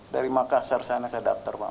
dari makassar sana saya daftar pak